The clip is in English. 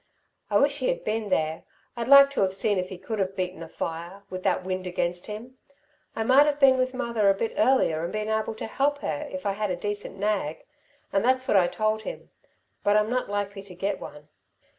I wish he had been there. I'd like to 've seen if he could've beaten a fire with that wind against him. I might've been with mother a bit earlier and been able to help her, if I'd had a decent nag and that's what I told him but I'm not likely to get one.